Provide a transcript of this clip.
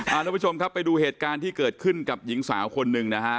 ทุกผู้ชมครับไปดูเหตุการณ์ที่เกิดขึ้นกับหญิงสาวคนหนึ่งนะฮะ